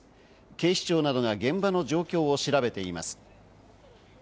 警視庁などが現場の状況調べています。